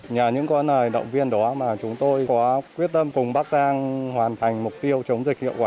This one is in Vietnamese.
nhờ những con lời động viên đó mà chúng tôi có quyết tâm cùng bắc giang hoàn thành mục tiêu chống dịch hiệu quả